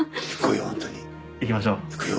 行きましょう。